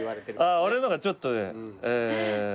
俺の方がちょっと上？